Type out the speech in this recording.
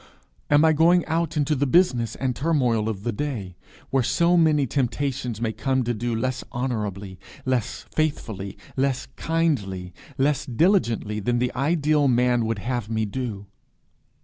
Am I going out into the business and turmoil of the day, where so many temptations may come to do less honourably, less faithfully, less kindly, less diligently than the Ideal Man would have me do?